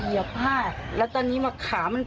ติดเตียงได้ยินเสียงลูกสาวต้องโทรศัพท์ไปหาคนมาช่วย